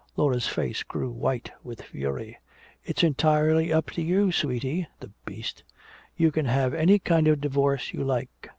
Laura's face grew white with fury. "'It's entirely up to you, Sweetie' the beast! 'You can have any kind of divorce you like.